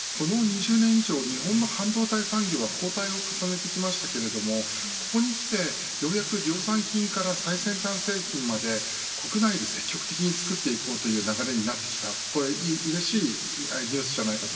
この２０年以上日本の半導体産業は後退を重ねてきましたけれどもここにきてようやく量産品から最先端製品まで国内で積極的に使っていこうという流れになってきたという